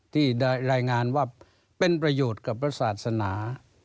ที่ได้รายงานว่าเป็นประโยชน์กับพระศาสนา